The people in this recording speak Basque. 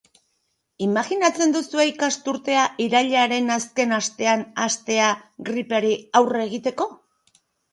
Imajinatzen duzue ikasturtea irailaren azken astean hastea gripeari aurre egiteko?